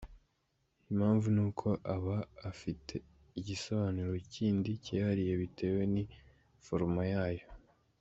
Impamvu nuko aba afite igisobanuro kindi cyihariye bitewe n'iforoma yayo.